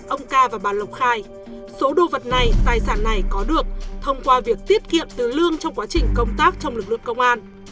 ông ca và bà lộc khai số đồ vật này tài sản này có được thông qua việc tiết kiệm từ lương trong quá trình công tác trong lực lượng công an